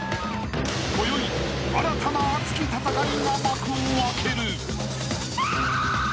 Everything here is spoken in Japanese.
［こよい新たな熱き戦いが幕を開ける］